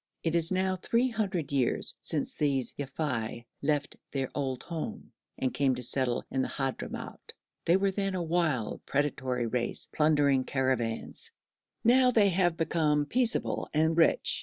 It is now three hundred years since these Yafei left their old home and came to settle in the Hadhramout. They were then a wild predatory race, plundering caravans; now they have become peaceable and rich.